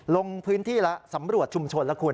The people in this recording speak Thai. ลงพื้นที่แล้วสำรวจชุมชนแล้วคุณ